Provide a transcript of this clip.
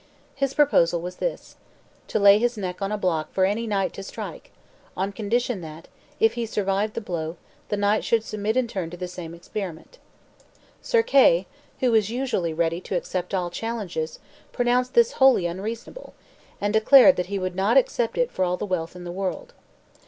His proposal was this to lay his neck on a block for any knight to strike, on condition that, if he survived the blow, the knight should submit in turn to the same experiment. Sir Kay, who was usually ready to accept all challenges, pronounced this wholly unreasonable, and declared that he would not accept it for all the wealth in the world.